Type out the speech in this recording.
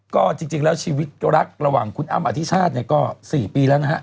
ก็จริงแล้วชีวิตรักระหว่างคุณอ้ำอธิชาติเนี่ยก็๔ปีแล้วนะฮะ